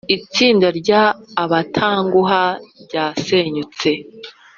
Itsinda rya abatanguha ryasenyutse